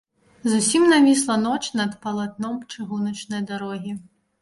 Зусім навісла ноч над палатном чыгуначнай дарогі.